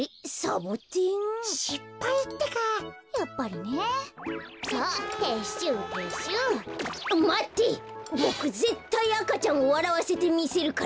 ボクぜったい赤ちゃんをわらわせてみせるから。